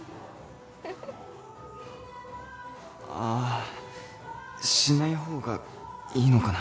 あしない方がいいのかな